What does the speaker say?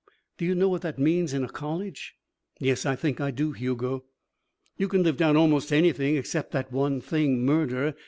Do you know what that means in a college?" "Yes, I think I do, Hugo." "You can live down almost anything, except that one thing murder.